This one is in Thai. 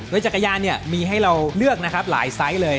โดยจักรยานเนี่ยมีให้เราเลือกนะครับหลายไซส์เลย